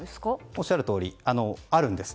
おっしゃるとおり、あるんです。